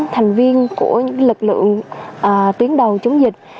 thành viên của những lực lượng tuyến đầu chống dịch